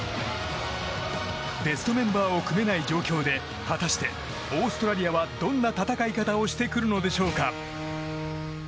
ベストメンバーを組めない状況で果たしてオーストラリアはどんな戦い方をしてくるのでしょうか。